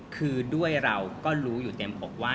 คือด้วยเราก็รู้อยู่เต็มอกว่า